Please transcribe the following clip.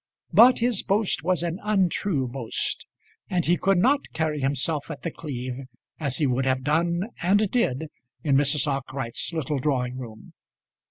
But his boast was an untrue boast, and he could not carry himself at The Cleeve as he would have done and did in Mrs. Arkwright's little drawing room.